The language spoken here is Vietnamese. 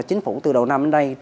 chính phủ từ đầu năm đến nay